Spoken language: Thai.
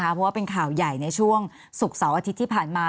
เพราะว่าเป็นข่าวใหญ่ในช่วงศุกร์เสาร์อาทิตย์ที่ผ่านมา